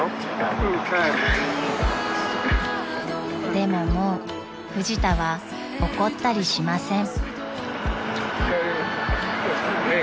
［でももうフジタは怒ったりしません］